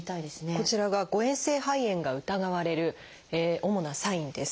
こちらが誤えん性肺炎が疑われる主なサインです。